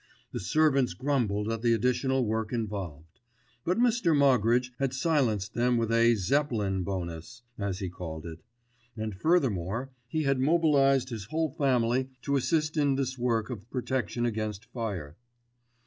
The servants grumbled at the additional work involved; but Mr. Moggridge had silenced them with "a Zeppelin bonus," as he called it, and furthermore he had mobilised his whole family to assist in this work of protection against fire.